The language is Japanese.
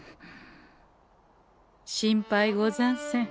心配ござんせん。